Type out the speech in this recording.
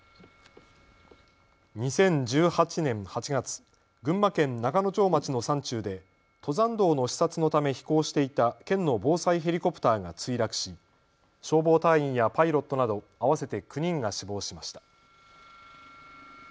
２０１８年８月、群馬県中之条町の山中で登山道の視察のため飛行していた県の防災ヘリコプターが墜落し消防隊員やパイロットなど合わせて９人が死亡しました。